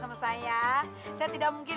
sama saya saya tidak mungkin